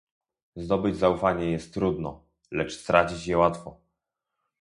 Zdobyć zaufanie jest trudno, lecz stracić je łatwo